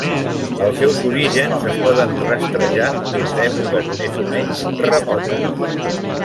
Els seus orígens es poden rastrejar des d'èpoques més o menys remotes.